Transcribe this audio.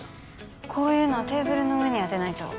こういうのはテーブルの上に当てないと。